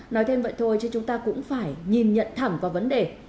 nói thêm vậy thôi chứ chúng ta cũng phải nhìn nhận thẳng vào vấn đề